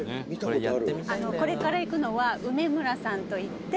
「これから行くのは梅むらさんといって」